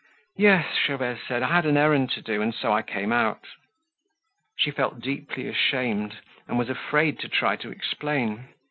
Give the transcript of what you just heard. "Yes," Gervaise said, "I had an errand to do, and so I came out." She felt deeply ashamed and was afraid to try to explain.